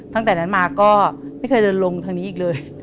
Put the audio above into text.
ตั้งแต่นั้นมาก็ไม่เคยเดินลงทางนี้อีกเลย